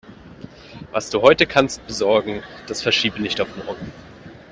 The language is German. Was du heute kannst besorgen, das verschiebe nicht auf morgen.